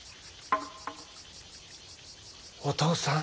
お父さん。